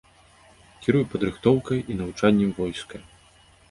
Кіруе падрыхтоўкай і навучаннем войска.